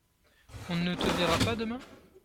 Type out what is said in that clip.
On ne te verra pas demain ?